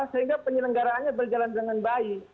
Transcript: sehingga penyelenggaraannya berjalan dengan baik